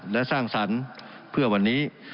และสร้างสรรค์เพื่อวันนี้